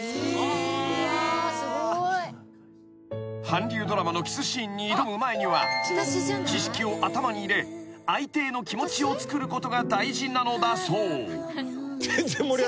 ［韓流ドラマのキスシーンに挑む前には知識を頭に入れ相手への気持ちをつくることが大事なのだそう］